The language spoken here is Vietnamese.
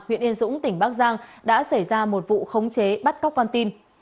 huyện yên dũng tỉnh bắc giang đã xảy ra một vụ khống chế bắt cóc con tin